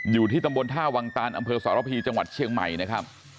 อยู่ที่ตำบลท่าวังตานอำเภอสรพีจังหวัดเชียงใหม่นะครับ